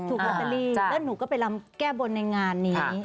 ลอตเตอรี่แล้วหนูก็ไปลำแก้บนในงานนี้